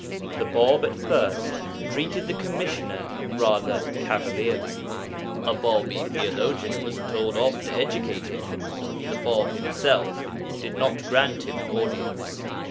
The Bāb at first treated the commissioner rather cavalierly. A Bābī theologian was told off to educate him; the Bāb himself did not grant him an audience.